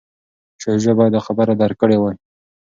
شاه شجاع باید دا خبره درک کړې وای.